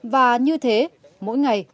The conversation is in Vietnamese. và như thế mỗi ngày